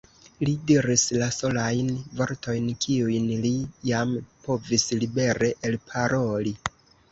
Li diris la solajn vortojn, kiujn li jam povis libere elparoli.